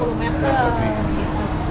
sekarang kita ikut